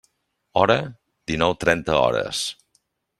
Hora: dinou trenta hores.